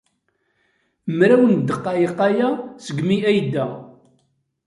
Mraw n ddqayeq aya segmi ay yedda.